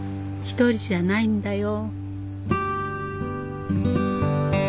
一人じゃないんだよ